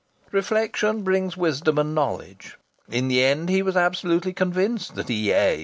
Reflection brings wisdom and knowledge. In the end he was absolutely convinced that E.A.